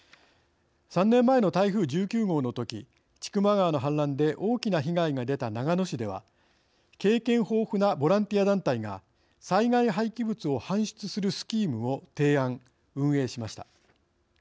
３年前の台風１９号のとき千曲川の氾濫で大きな被害が出た長野市では経験豊富なボランティア団体が災害廃棄物を搬出するスキームを提案運営しました。